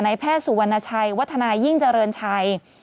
แพทย์สุวรรณชัยวัฒนายิ่งเจริญชัย